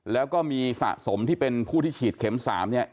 แล้วก็มีสะสมที่เป็นผู้ที่ฉีดเข็ม๓เนี่ย